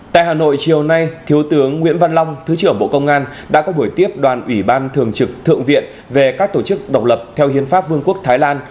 tại hà nội chiều nay thiếu tướng nguyễn văn long thứ trưởng bộ công an đã có buổi tiếp đoàn ủy ban thường trực thượng viện về các tổ chức độc lập theo hiến pháp vương quốc thái lan